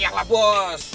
ya lah bos